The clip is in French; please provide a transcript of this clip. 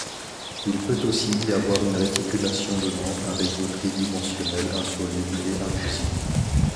Il peut aussi y avoir une réticulation donnant un réseau tridimensionnel insoluble et infusible.